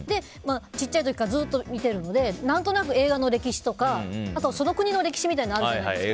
小さい時からずっと見ているので何となく映画の歴史とかその国の歴史みたいなのあるじゃないですか。